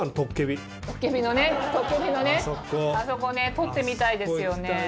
あそこね撮ってみたいですよね。